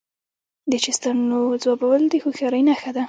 د چیستانونو ځوابول د هوښیارۍ نښه ده.